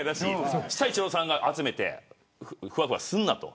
そしたらイチローさんが集めてふわふわするなと。